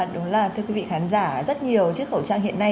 đúng là thưa quý vị khán giả rất nhiều chiếc khẩu trang hiện nay